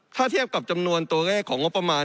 ถ้าเทียบกับจำนวนตัวเลขของงบประมาณ